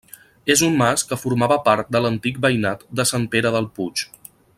És un mas que formava part de l'antic veïnat de Sant Pere del Puig.